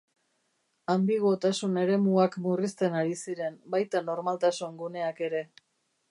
Anbiguotasun-eremuak murrizten ari ziren, baita normaltasun-guneak ere.